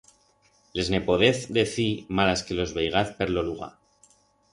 Les ne podez decir malas que los veigaz per lo lugar.